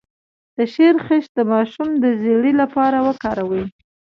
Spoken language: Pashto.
د شیرخشت د ماشوم د ژیړي لپاره وکاروئ